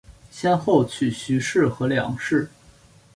先后娶徐氏和梁氏。